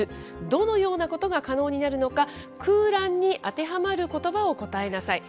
どのようなことが可能になるのか、空欄に当てはまることばを答えなさい。